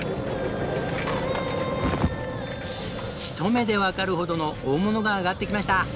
ひと目でわかるほどの大物が揚がってきました。